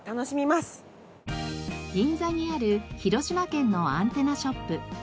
銀座にある広島県のアンテナショップ。